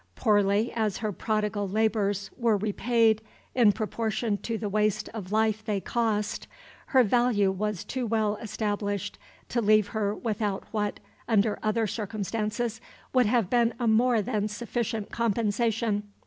Poorly as her prodigal labors were repaid in proportion to the waste of life they cost, her value was too well established to leave her without what, under other circumstances, would have been a more than sufficient compensation.